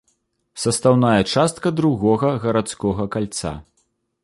Састаўная частка другога гарадскога кальца.